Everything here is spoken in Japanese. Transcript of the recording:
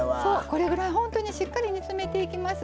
これぐらい本当にしっかり煮詰めていきます。